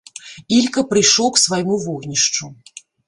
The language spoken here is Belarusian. Ілька прыйшоў к свайму вогнішчу.